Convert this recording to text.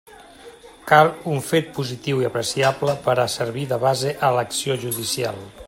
Cal un fet positiu i apreciable per a servir de base a l'acció judicial.